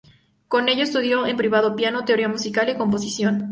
Con ellos estudió en privado piano, teoría musical y composición.